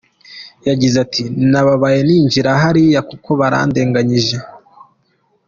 Yagize ati “Nababaye nkinjira hariya kuko barandenganyije.